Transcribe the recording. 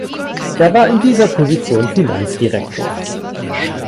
Er war in dieser Position Finanzdirektor.